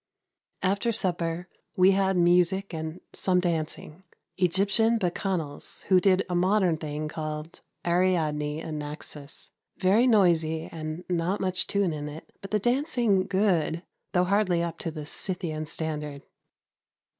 After supper we had music and some dancing. Egyptian Bacchanals, who did a modern thing called Ariadne in Naxos. Very noisy and not much tune in it; but the dancing good, although hardly up to the Scythian standard.